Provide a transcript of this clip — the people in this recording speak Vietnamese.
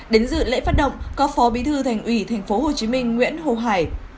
đến dự lễ phát động có phó bí thư thành ủy tp hcm nguyễn hồ hải